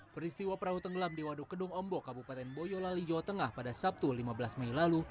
peristiwa perahu tenggelam di waduk kedung ombok kabupaten boyolali jawa tengah pada sabtu lima belas mei lalu